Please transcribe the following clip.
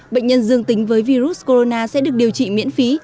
bệnh nhân dương tính với virus corona sẽ được điều trị miễn phí